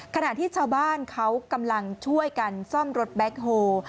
ขณะที่ชาวบ้านเขากำลังช่วยกันซ่อมรถแบ็คโฮ